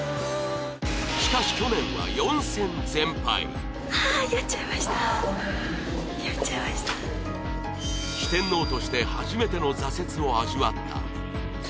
しかし去年は四天王として初めての挫折を味わった。